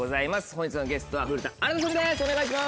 本日のゲストは古田新太さんです